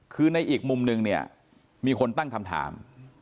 คือในอีกมุมนึงเนี่ยมีคนตั้งคำถาม